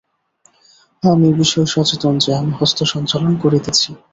আমি এ বিষয়ে সচেতন যে, আমি হস্ত সঞ্চালন করিতেছি।